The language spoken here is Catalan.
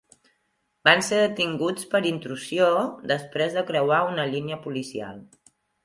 Van ser detinguts per intrusió després de creuar una línia policial.